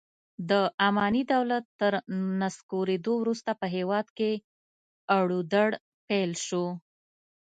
د اماني دولت تر نسکورېدو وروسته په هېواد کې اړو دوړ پیل شو.